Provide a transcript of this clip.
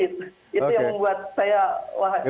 itu yang membuat saya wahai